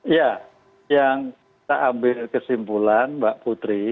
ya yang kita ambil kesimpulan mbak putri